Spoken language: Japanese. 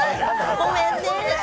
ごめんね！